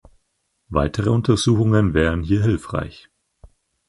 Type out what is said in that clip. Weitere Untersuchungen wären hier hilfreich.